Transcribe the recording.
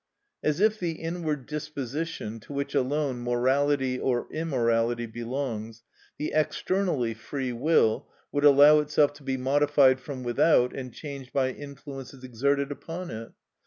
As if the inward disposition, to which alone morality or immorality belongs, the externally free will, would allow itself to be modified from without and changed by influences exerted upon it!